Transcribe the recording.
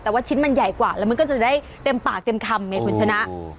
แต่ว่าชิ้นมันใหญ่กว่าแล้วมันก็จะได้เต็มปากเต็มคำไงคุณชนะ